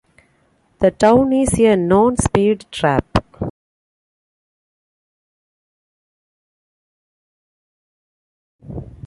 The town is a known speed trap.